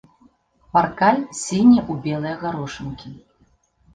Паркаль сіні ў белыя гарошынкі.